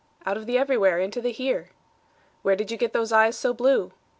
Out of the everywhere into the here. Where did you get those eyes so blue?